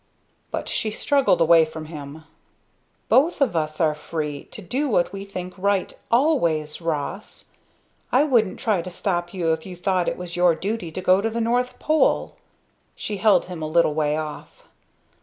But she struggled away from him. "Both of us are free to do what we think right, always Ross! I wouldn't try to stop you if you thought it was your duty to go to the North Pole!" She held him a little way off.